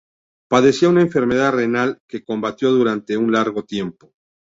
Padecía una enfermedad renal que combatió durante un largo tiempo.